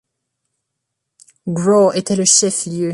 Grouw était le chef-lieu.